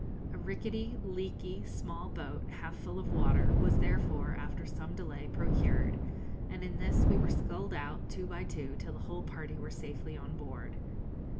A rickety, leaky small boat, half full of water, was therefore, after some delay, procured, and in this we were sculled out, two by two, till the whole party were safely on board.